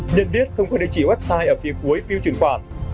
nhận biết không có địa chỉ website ở phía cuối phiêu truyền khoản